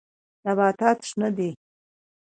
نباتات شنه دي.